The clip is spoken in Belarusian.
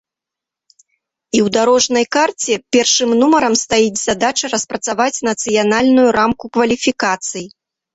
І ў дарожнай карце першым нумарам стаіць задача распрацаваць нацыянальную рамку кваліфікацый.